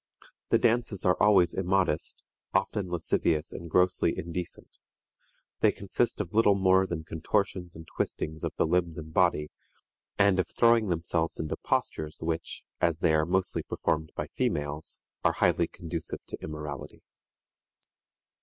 The dances are always immodest, often lascivious and grossly indecent. They consist of little more than contortions and twistings of the limbs and body, and of throwing themselves into postures which, as they are mostly performed by females, are highly conducive to immorality.